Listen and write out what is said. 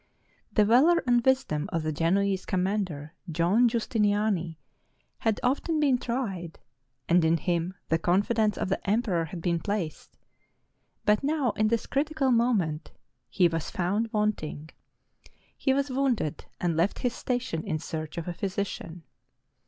[The valor and wisdom of the Genoese commander, John Justiniani, had often been tried, and in him the confidence of the emperor had been placed; but now, in this critical mo ment, he was found wanting. He was wounded, and left his station in search of a physician.